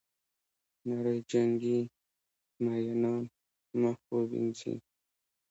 نړۍ جنګي میینان مخ ووینځي.